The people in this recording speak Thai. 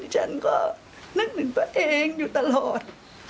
ฉันก็นึกถึงตัวเองอยู่ตลอด